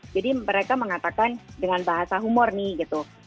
jadi mereka mengatakan dengan bahasa humor nih gitu